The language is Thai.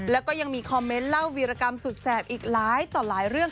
แล้วก็ยังมีคอมเมนต์เล่าวีรกรรมสุดแสบอีกหลายต่อหลายเรื่อง